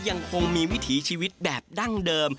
ยังคงมีวิถีชีวิตแบบดั้งเดิม